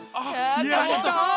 やった。